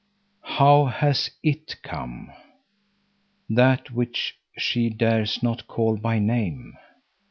II How has "it" come? That which she dares not call by name?